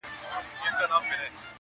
هر څوک ځان په بل حالت کي احساسوي ګډ,